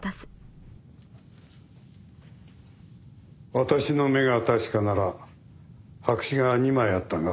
私の目が確かなら白紙が２枚あったが。